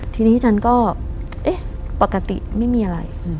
ทีนี้ฉันก็เอ๊ะปกติไม่มีอะไร